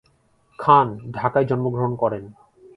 খান ঢাকায় জন্মগ্রহণ করেন।